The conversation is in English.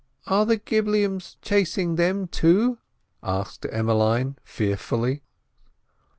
"Are the gibblyums chasing them too?" asked Emmeline fearfully.